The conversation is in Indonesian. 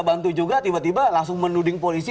bantu juga tiba tiba langsung menuding polisi